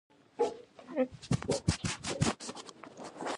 دښتې د افغانانو د فرهنګي پیژندنې برخه ده.